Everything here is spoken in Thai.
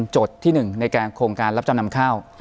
จดที่หนึ่งในโครงการรับจำนำข้าว